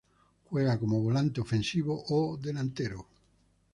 Juega como volante ofensivo o delantero.